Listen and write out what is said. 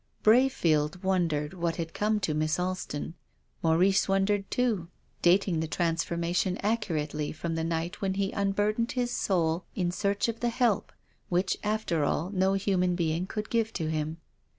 Brayfield wondered what had come to Miss Alston. Maurice wondered too, dating the transformation accurately from the night when he unburdened his soul in search of the help, which, after all, no human being could give to him.